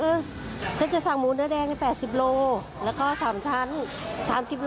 เออฉันจะสั่งหมูเนื้อแดง๘๐โลกรัมแล้วก็๓ชั้น๓๐โลกรัม